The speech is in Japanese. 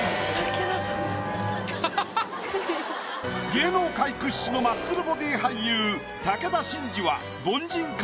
芸能界屈指のマッスルボディー俳優武田真治は凡人か？